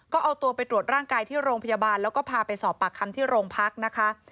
ก็เอาตัวไปตรวจร่างกายที่โรงพยาบาลแล้วก็พาไปสอบปากคำที่โรงพักนะคะ